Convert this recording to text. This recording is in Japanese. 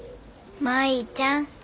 舞ちゃん。